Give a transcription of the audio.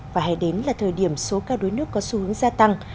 và hẹn đến là thời điểm số ca đuối nước có xu hướng gia tăng